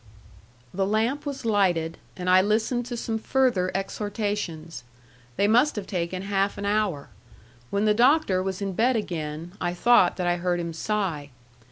The lamp was lighted, and I listened to some further exhortations. They must have taken half an hour. When the Doctor was in bed again, I thought that I heard him sigh.